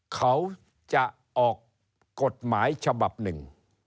เขาจะออกกฎหมายฉบับหนึ่ง